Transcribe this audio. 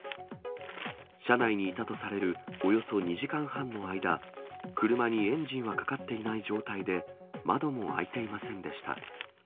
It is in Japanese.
車内にいたとされるおよそ２時間半の間、車にエンジンはかかっていない状態で、窓も開いていませんでした。